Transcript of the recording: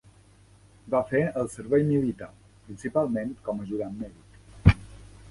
Va fer el seu servei militar, principalment com a ajudant mèdic.